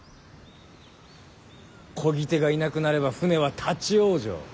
こぎ手がいなくなれば舟は立往生。